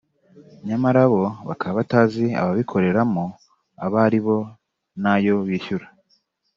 nyamara bo bakaba batazi ababikoreramo abo aribo n’ayo bishyura